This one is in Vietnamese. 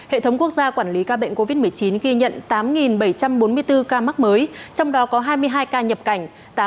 hệ thống quốc gia quản lý ca bệnh covid một mươi chín ghi nhận tám bảy trăm bốn mươi bốn ca mắc mới trong đó có hai mươi hai ca nhập cảnh